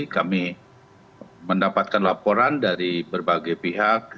kami mendapatkan laporan dari berbagai pihak